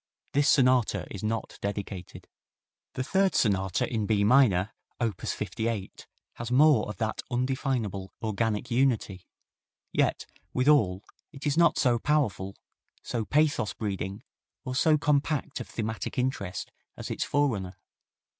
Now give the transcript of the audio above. This sonata is not dedicated. The third Sonata in B minor, op. 58, has more of that undefinable "organic unity," yet, withal, it is not so powerful, so pathos breeding or so compact of thematic interest as its forerunner.